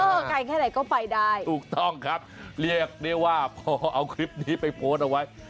ไกลแค่ไหนก็ไปได้ถูกต้องครับเรียกได้ว่าพอเอาคลิปนี้ไปโพสต์เอาไว้